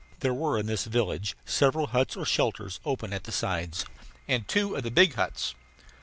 There were in this village several huts or shelters open at the sides, and two of the big huts.